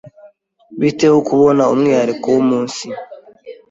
Bite ho kubona umwihariko wumunsi?